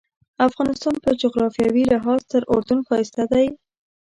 افغانستان په جغرافیوي لحاظ تر اردن ښایسته دی.